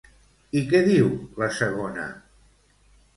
I què diu la segona?